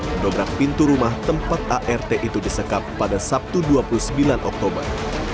mendobrak pintu rumah tempat art itu disekap pada sabtu dua puluh sembilan oktober